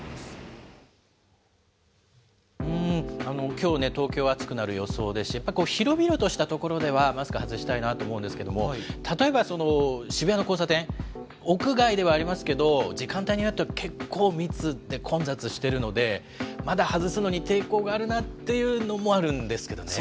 きょうね、東京、暑くなる予想でして、やっぱり広々とした所では、マスク外したいなと思うんですけれども、例えば渋谷の交差点、屋外ではありますけど、時間帯によっては結構密で混雑してるので、まだ外すのに抵抗があるなっていうのもあるんですけどね。